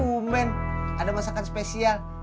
tumen ada masakan spesial